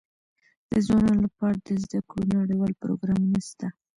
د ځوانانو لپاره د زده کړو نړيوال پروګرامونه سته.